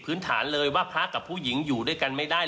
พื้นฐานเลยว่าพระกับผู้หญิงอยู่ด้วยกันไม่ได้